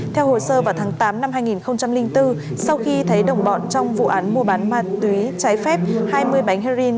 theo hồ sơ vào tháng tám năm hai nghìn bốn sau khi thấy đồng bọn trong vụ án mua bán ma túy trái phép hai mươi bánh heroin